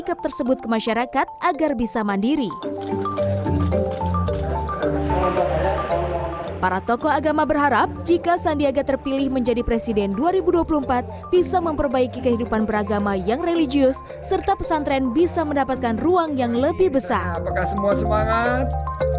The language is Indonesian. apakah semua semangat